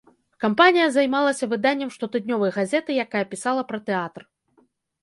Кампанія займалася выданнем штотыднёвай газеты, якая пісала пра тэатр.